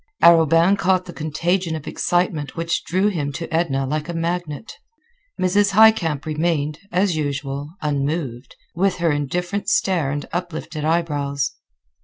Arobin caught the contagion of excitement which drew him to Edna like a magnet. Mrs. Highcamp remained, as usual, unmoved, with her indifferent stare and uplifted eyebrows.